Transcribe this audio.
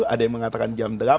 ada yang mengatakan jam delapan